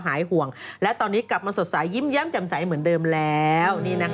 หายห่วงและตอนนี้กลับมาสดใสยิ้มแย้มจำใสเหมือนเดิมแล้ว